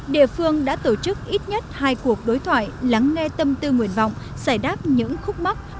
địa phương đã tổ chức ít nhất hai cuộc đối thoại lắng nghe tâm tư nguyện vọng giải đáp những khúc mắt